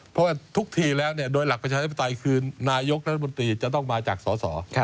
เพราะว่าทุกทีแล้วโดยหลักประชาธิปไตยคือนายกรัฐมนตรีจะต้องมาจากสอสอ